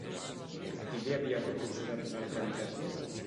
Qui li havia proporcionat un altre habitatge?